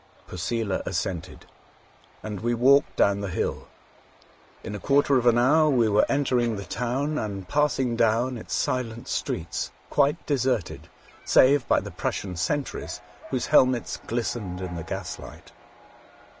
Posela assented, and we walked down the hill. In a quarter of an hour we were entering the town and passing down its silent streets, quite deserted, save by the Prussian sentries, whose helmets glistened in the gaslight.